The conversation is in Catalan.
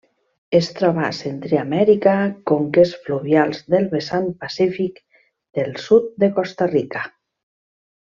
Es troba a Centreamèrica: conques fluvials del vessant pacífic del sud de Costa Rica.